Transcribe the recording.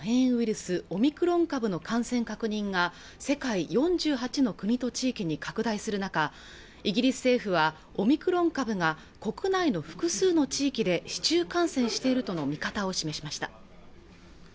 スオミクロン株の感染確認が世界４８の国と地域に拡大する中イギリス政府はオミクロン株が国内の複数の地域で市中感染しているとの見方を示しました